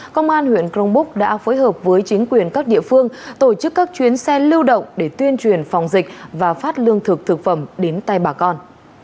công an huyện crong búc đã phối hợp với chính quyền các địa phương tổ chức các chuyến xe lưu động để tuyên truyền phòng dịch và phát lương thực thực phẩm đến tay bà con